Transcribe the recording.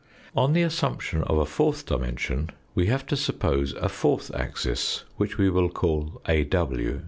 On the assumption of a fourth dimension we have to suppose a fourth axis, which we will call AW.